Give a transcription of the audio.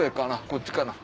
こっちかな？